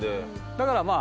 だからまぁ。